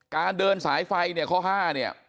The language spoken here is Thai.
เดินสายไฟเนี่ยข้อ๕เนี่ย